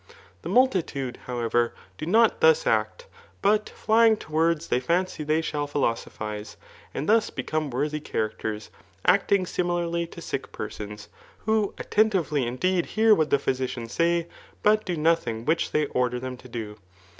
The multitude, however, do not thus act, but flying to words they fancy they shall •philosophize, and thus become wocthy characters ; act log similarly to sick persons, who attentively indeed hear .what the physicians say, but do nothing which they order ,them to do.